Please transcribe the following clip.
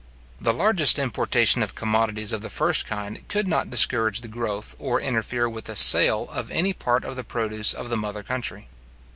The largest importation of commodities of the first kind could not discourage the growth, or interfere with the sale, of any part of the produce of the mother country.